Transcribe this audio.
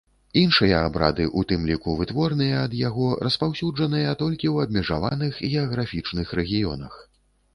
Іншыя абрады, у тым ліку, вытворныя ад яго, распаўсюджаныя толькі ў абмежаваных геаграфічных рэгіёнах.